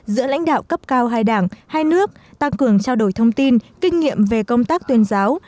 giữa lãnh đạo cấp cao hai đảng hai nước tăng cường trao đổi thông tin kinh nghiệm về công tác tuyên giáo